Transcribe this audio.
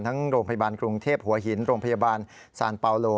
โรงพยาบาลกรุงเทพหัวหินโรงพยาบาลซานเปาโล